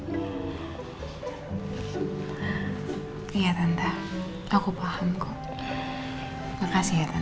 sama sama sudah bekerja lama di perusahaannya pak aldebaran